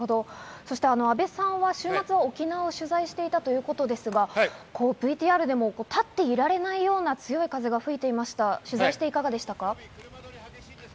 阿部さんは週末、沖縄を取材していたということですが、ＶＴＲでも立っていられないような強い風が吹いていました。